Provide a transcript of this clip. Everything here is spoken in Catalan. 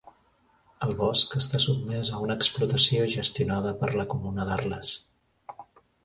El bosc està sotmès a una explotació gestionada per la comuna d'Arles.